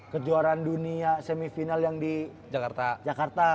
kejuaraan dunia semifinal yang di jakarta